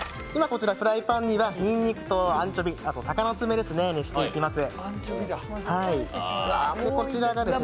フライパンにはにんにくとアンチョビ、たかのつめを熱していきます。